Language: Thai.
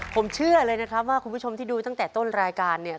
ผมเชื่อเลยนะครับว่าคุณผู้ชมที่ดูตั้งแต่ต้นรายการเนี่ย